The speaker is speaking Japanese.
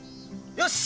よし。